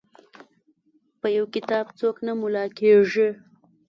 په یو کتاب څوک نه ملا کیږي.